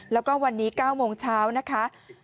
แล้วก็วันนี้๙โมงเช้านะคะ